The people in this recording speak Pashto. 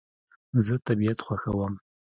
زه طبیعت خوښوم